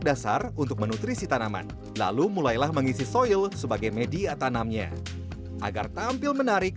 dasar untuk menutrisi tanaman lalu mulailah mengisi soil sebagai media tanamnya agar tampil menarik